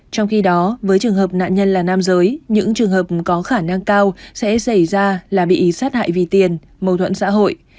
trong khi đó với trường hợp nạn nhân là nam giới những trường hợp có khả năng cao sẽ xảy ra là bị sát hại vì tiền mâu thuẫn xã hội